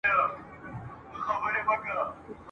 اوس به څوک د مظلومانو چیغي واوري ..